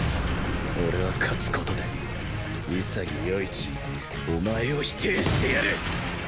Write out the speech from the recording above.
俺は勝つ事で潔世一お前を否定してやる！